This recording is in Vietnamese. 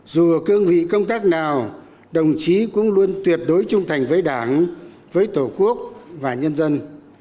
dù ở cương vị công tác nào đồng chí cũng luôn tuyệt đối trung thành với đảng với tổ quốc và nhân dân